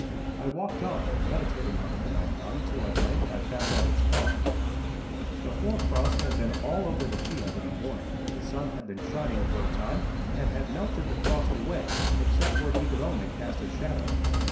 I walked on, meditating on the phenomenon, till at length I found out its cause. The hoar frost had been all over the field in the morning. The sun had been shining for a time, and had melted the frost away, except where he could only cast a shadow.